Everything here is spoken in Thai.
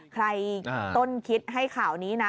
ใครต้นคิดให้ข่าวนี้นะ